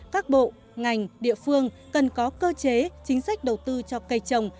các bộ ngành địa phương cần có cơ chế chính sách đầu tư cho cây trồng